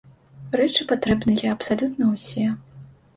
Рэчы патрэбныя абсалютна ўсе.